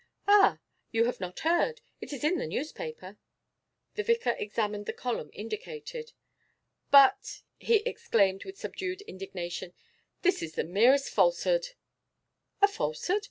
'Ah, you have not heard? It is in this newspaper.' The vicar examined the column indicated. 'But,' he exclaimed, with subdued indignation, 'this is the merest falsehood!' 'A falsehood!